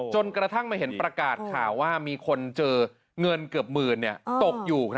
จนกระทั่งมาเห็นประกาศข่าวว่ามีคนเจอเงินเกือบหมื่นตกอยู่